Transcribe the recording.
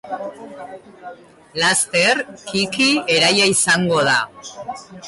Laster, Kiki eraila izango da.